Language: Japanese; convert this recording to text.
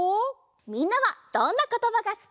みんなはどんなことばがすき？